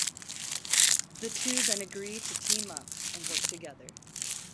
The two then agree to team up and work together.